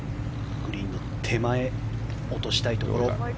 グリーンの手前に落としたいところ。